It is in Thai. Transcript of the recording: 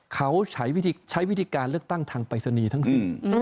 เขาใช้วิธีการเลือกตั้งทางไปสนีทั้งสิบ